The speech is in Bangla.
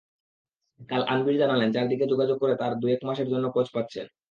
কাল আনভীর জানালেন, চারদিকে যোগাযোগ করে তাঁরা দু-এক মাসের জন্য কোচ পাচ্ছেন।